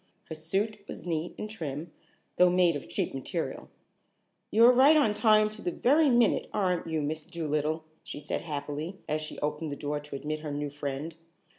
Her suit was neat and trim, though made of cheap material. "You're right on time to the very minute, aren't you, Miss Dolittle?" she said happily, as she opened the door to admit her new friend.